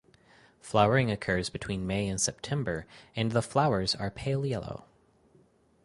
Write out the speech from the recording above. Flowering occurs between May and September and the flowers are pale yellow.